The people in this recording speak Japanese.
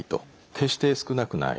決して少なくない。